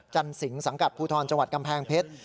จันสิงสังกัดภูทรจังหวัดกำแพงเพชร